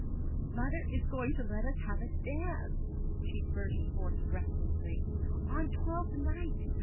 'Mother is going to let us have a dance,' she burst forth breathlessly, 'on Twelfth Night!